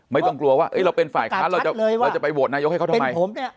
ไม่ต้องกลัวว่าเราเป็นฝ่ายค้านเราจะไปโหวตนายกให้เขาทำไม